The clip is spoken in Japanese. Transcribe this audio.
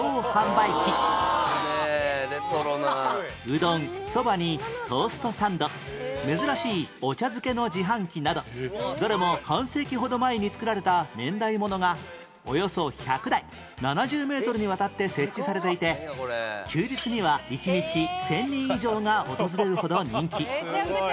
うどんそばにトーストサンド珍しいお茶漬けの自販機などどれも半世紀ほど前に作られた年代物がおよそ１００台７０メートルにわたって設置されていて休日には一日１０００人以上が訪れるほど人気